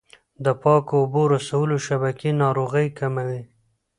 د پاکو اوبو رسولو شبکې ناروغۍ کموي.